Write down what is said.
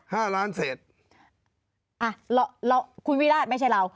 ห้าล้านเศษอ่ะเราคุณวิราชไม่ใช่เรา